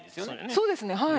そうですねはい。